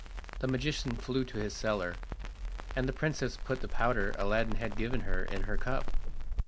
The magician flew to his cellar, and the princess put the powder Aladdin had given her in her cup.